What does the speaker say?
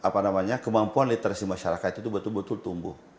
bagaimana kemampuan literasi masyarakat itu betul betul tumbuh